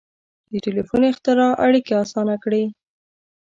• د ټیلیفون اختراع اړیکې آسانه کړې.